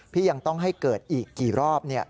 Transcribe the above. ที่ยังต้องให้เกิดอีกกี่รอบ